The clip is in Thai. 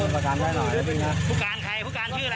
ผู้การใครผู้การชื่ออะไร